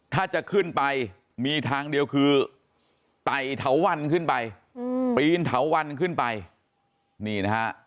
ถ้าจะขึ้นไปมีทางเดียวคือไต่เถาวันขึ้นไปปีนเถาวันขึ้นไปนี่นะฮะ